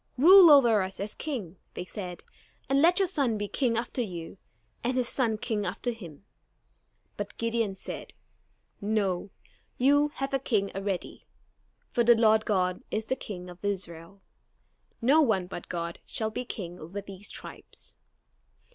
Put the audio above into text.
"Rule over us as king," they said, "and let your son be king after you, and his son king after him." But Gideon said: "No, you have a king already; for the Lord God is the King of Israel. No one but God shall be king over these tribes."